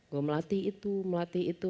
gue melatih itu melatih itu